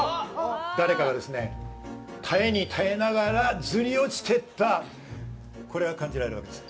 誰かが耐えに耐えながらずり落ちていったこれが感じられます。